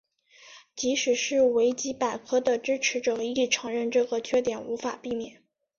即使是维基百科的支持者亦承认这个缺点无法避免。